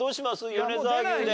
米沢牛で。